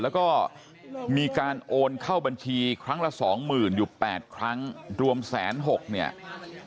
แล้วก็มีการโอนเข้าบัญชีครั้งละสองหมื่นอยู่๘ครั้งรวม๑๖๐๐เนี่ย